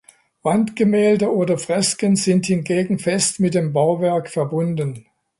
Wandgemälde oder Fresken sind hingegen fest mit dem Bauwerk verbunden.